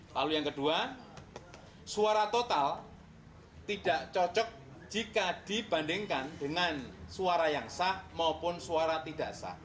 lalu yang kedua suara total tidak cocok jika dibandingkan dengan suara yang sah maupun suara tidak sah